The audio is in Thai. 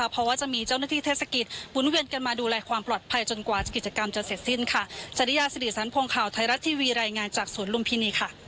เพราะว่าจะมีเจ้าหน้าที่เทศกิจหมุนเวียนกันมาดูแลความปลอดภัยจนกว่ากิจกรรมจะเสร็จสิ้นค่ะ